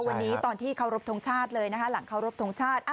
วันนี้ตอนที่เคารพทงชาติเลยนะคะหลังเคารพทงชาติ